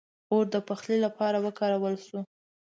• اور د پخلي لپاره وکارول شو.